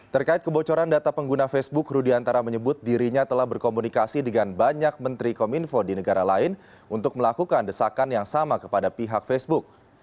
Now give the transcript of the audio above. terkait kebocoran data pengguna facebook rudiantara menyebut dirinya telah berkomunikasi dengan banyak menteri kominfo di negara lain untuk melakukan desakan yang sama kepada pihak facebook